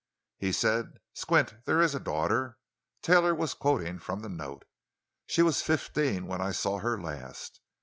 "He said: 'Squint, there is a daughter'"—Taylor was quoting from the note—"'she was fifteen when I saw her last.